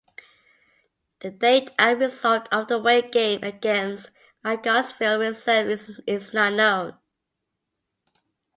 The date and result of the away game against Mangotsfield reserves is not known.